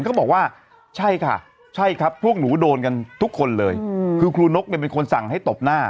เขาบอกว่าใช่ค่ะใช่ครับพวกหนูโดนกันทุกคนเลยคือครูนกเนี่ยเป็นคนสั่งให้ตบหน้า